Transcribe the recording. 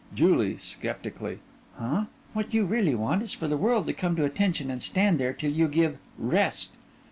JULIE: (Skeptically) Huh! What you really want is for the world to come to attention and stand there till you give "Rest!"